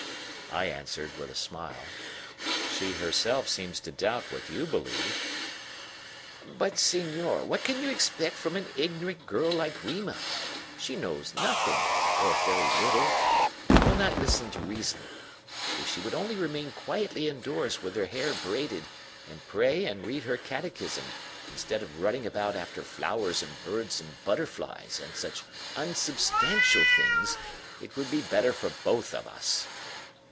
I answered, with a smile: "She herself seems to doubt what you believe." "But, senor, what can you expect from an ignorant girl like Rima? She knows nothing, or very little, and will not listen to reason. If she would only remain quietly indoors, with her hair braided, and pray and read her Catechism, instead of running about after flowers and birds and butterflies and such unsubstantial things, it would be better for both of us."